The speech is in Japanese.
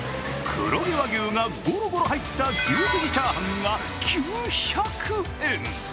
黒毛和牛がゴロゴロ入った牛すじチャーハンが９００円。